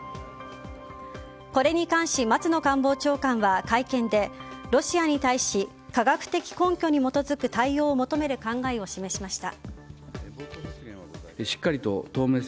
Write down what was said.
これに関し松野官房長官は会見でロシアに対し科学的根拠に基づく対応を求める考えを示しました。